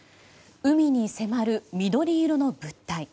海に迫る緑色の物体。